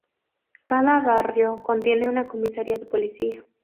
Cada barrio contiene una comisaría de policía.